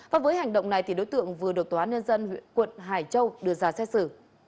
và với hành động này thì đối tượng vừa được tòa án nhân dân huyện quận hải châu đưa ra xét xử